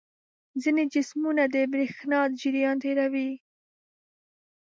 ځینې جسمونه د برېښنا جریان تیروي.